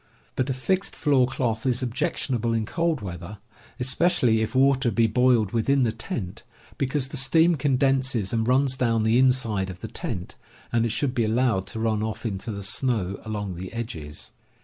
But a fixed floor cloth is objectionable in cold weather, especially if water be boiled within the tent, because the steam condenses and runs down the inside of the tent, and it should be allowed to run off into the snow along the edges.